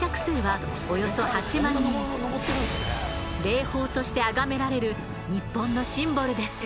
霊峰としてあがめられる日本のシンボルです。